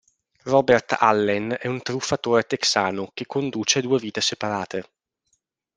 Robert Allen è un truffatore texano che conduce due vite separate.